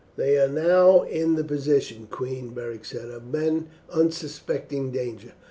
"They are now in the position, queen," Beric said, "of men unsuspecting danger.